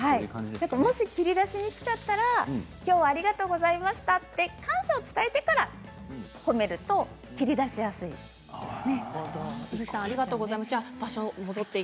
もし切り出しにくかったら今日はありがとうございましたと感謝を伝えてから褒めると切り出しやすいですね。